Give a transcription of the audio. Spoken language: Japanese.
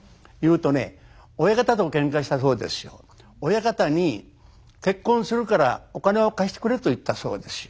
親方に結婚するからお金を貸してくれと言ったそうですよ。